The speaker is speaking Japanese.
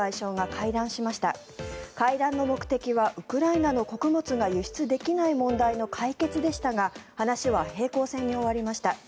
会談の目的はウクライナの穀物が輸出できない問題の解決でしたが話は平行線に終わりました。